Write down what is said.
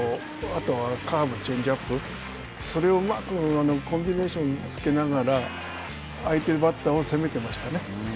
あとはカーブ、チェンジアップそれをうまくコンビネーションをつけながら、相手バッターを攻めてましたね。